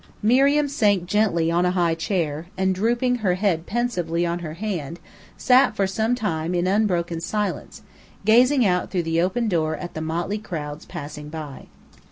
Miriam sank gently on a high chair, and drooping her head pensively on her hand, sat for some time in unbroken silence, gazing out through the open door at the motley crowds passing by.